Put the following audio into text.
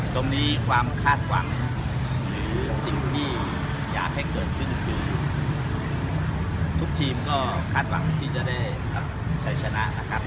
ความคาดหวังหรือสิ่งที่อยากให้เกิดขึ้นคือทุกทีมก็คาดหวังที่จะได้รับชัยชนะนะครับ